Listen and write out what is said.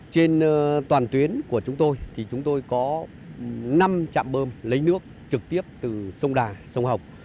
trên toàn tuyến của chúng tôi thì chúng tôi có năm trạm bơm lấy nước trực tiếp từ sông đà sông hồng